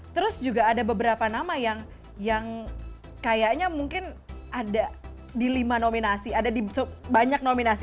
terus juga ada beberapa nama yang kayaknya mungkin ada di lima nominasi ada di banyak nominasi